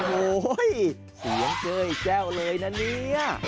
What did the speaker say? โอ้โหเสียงเก้ยแจ้วเลยนะเนี่ย